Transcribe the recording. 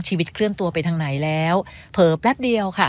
เคลื่อนตัวไปทางไหนแล้วเผลอแป๊บเดียวค่ะ